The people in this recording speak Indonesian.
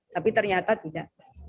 tapi ternyata tidak